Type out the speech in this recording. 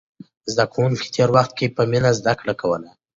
زده کوونکي تېر وخت کې په مینه زده کړه کوله.